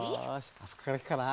あそこからいくかな。